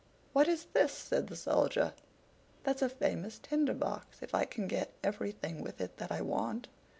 "What is this?" said the Soldier. "That's a famous Tinder box, if I can get everything with it that I want!